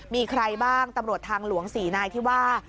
มีใครบ้างตำรวจทางหลวง๔นายที่ว่า